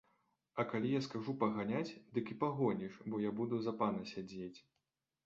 А калі я скажу паганяць, дык і пагоніш, бо я буду за пана сядзець!